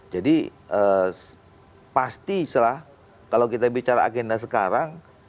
jadi pasti setelah kalau kita bicara agenda sekarang